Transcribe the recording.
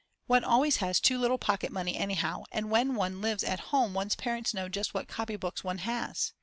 One always has too little pocket money anyhow, and when one lives at home one's parents know just what copybooks one has.